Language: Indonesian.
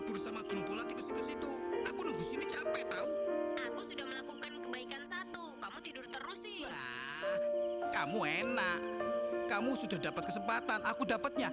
dulu aku yang ngebebasin ibunya